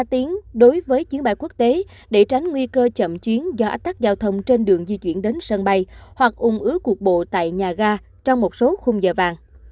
ba tiếng đối với chuyến bay quốc tế để tránh nguy cơ chậm chiến do ách tắc giao thông trên đường di chuyển đến sân bay hoặc ung ứa cuộc bộ tại nhà ga trong một số khung giờ vàng